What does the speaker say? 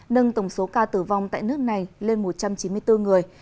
nâng tổng số ca tử vong tại nước này lên một trăm chín mươi bốn người